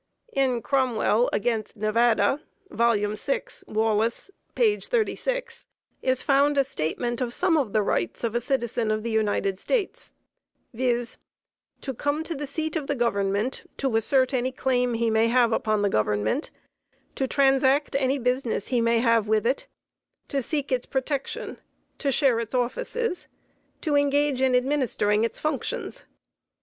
In Cromwell agt. Nevada, 6 Wallace, 36, is found a statement of some of the rights of a citizen of the United States, viz: "To come to the seat of the Government to assert any claim he may have upon the Government, to transact any business he may have with it; to seek its protection; to share its offices; to engage in administering its functions.